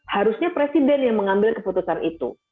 harusnya presiden yang mengambil keputusan itu